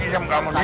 diam kamu diam